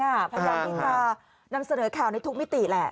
เพราะอย่างนี้ค่ะนำเสนอแข่วในทุกมิติแหละ